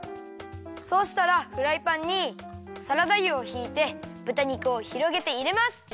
そうしたらフライパンにサラダ油をひいてぶた肉をひろげていれます！